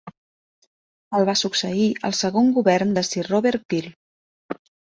El va succeir el segon govern de Sir Robert Peel.